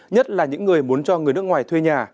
nhất là những người muốn cho người nước ngoài thuê nhà